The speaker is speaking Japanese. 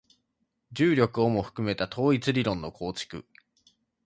重力をも含めた統一理論の構築